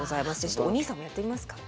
ちょっとお兄さんもやってみますか。